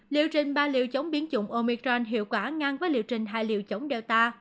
liệu trình ba liệu chống biến chủng omicron hiệu quả ngăn với liệu trình hai liệu chống delta